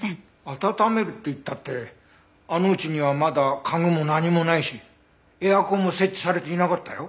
温めるって言ったってあの家にはまだ家具も何もないしエアコンも設置されていなかったよ。